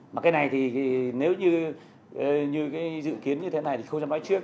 mà cái này thì nếu như dự kiến như thế này thì không dám nói trước